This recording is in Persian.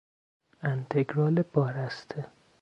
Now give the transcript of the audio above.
انتگرال بارسته